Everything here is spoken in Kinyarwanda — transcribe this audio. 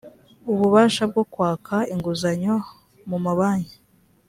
ububasha bwo kwaka inguzanyo muma banki